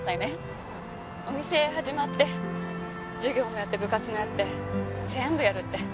お店始まって授業もやって部活もやって全部やるって。